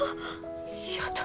やだ